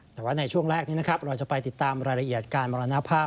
แต่ว่าในช่วงแรกนี้นะครับเราจะไปติดตามรายละเอียดการมรณภาพ